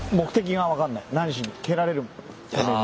何しに蹴られるために。